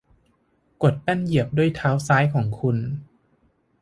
กดแป้นเหยียบด้วยเท้าซ้ายของคุณ